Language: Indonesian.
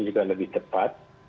juga lebih tepat